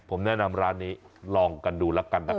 ผมแนะนำร้านนี้ลองกันดูแล้วกันนะครับ